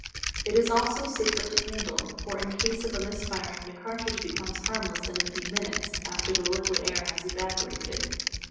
It is also safer to handle, for in case of a misfire the cartridge becomes harmless in a few minutes, after the liquid air has evaporated.